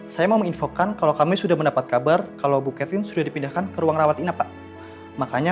sampai jumpa di video selanjutnya